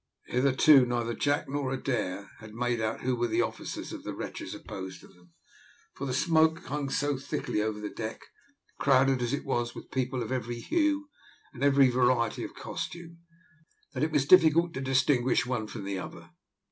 Hitherto neither Jack nor Adair had made out who were the officers of the wretches opposed to them, for the smoke hung so thickly over the deck, crowded as it was with people of every hue and every variety of costume, that it was difficult to distinguish one from the other.